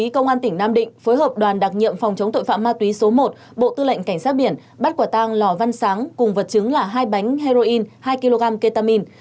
cảnh sát biển bắt quả tang lò văn sáng cùng vật chứng là hai bánh heroin hai kg ketamine